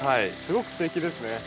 すごくすてきですね。